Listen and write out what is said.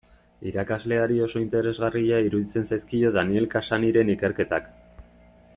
Irakasleari oso interesgarria iruditzen zaizkio Daniel Cassanyren ikerketak.